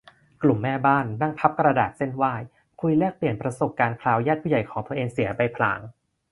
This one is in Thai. กลุ่มแม่บ้าน นั่งพับกระดาษเซ่นไหว้ คุยแลกเปลี่ยนประสบการณ์คราวญาติผู้ใหญ่ของตัวเสียไปพลาง